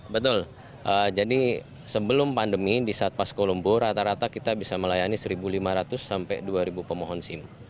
betul jadi sebelum pandemi di satpas kolombo rata rata kita bisa melayani satu lima ratus sampai dua pemohon sim